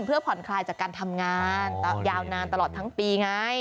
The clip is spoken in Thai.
เพื่อผ่อนคลายจากการทำงานยาวนานตลอดทั้งปีไง